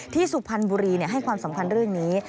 สุพรรณบุรีให้ความสำคัญเรื่องนี้